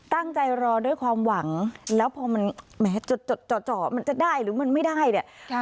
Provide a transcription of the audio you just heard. ตั้งใจรอด้วยความหวังแล้วพอมันแหมจดเจาะมันจะได้หรือมันไม่ได้เนี่ย